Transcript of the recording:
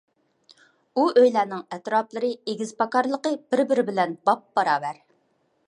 ئۇ ئۆيلەرنىڭ ئەتراپلىرى، ئېگىز - پاكارلىقى بىر - بىرى بىلەن بابباراۋەر.